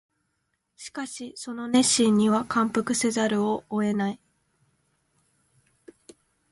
しかしその熱心には感服せざるを得ない